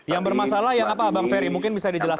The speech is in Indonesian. yang bermasalah yang apa bang ferry mungkin bisa dijelaskan